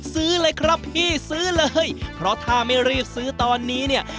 ซื้อเลยครับพี่ซื้อเลยเพราะถ้าไม่รีบซื้อตอนนี้เนี่ย